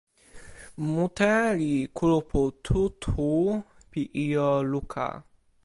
mute li kulupu tu tu pi ijo luka.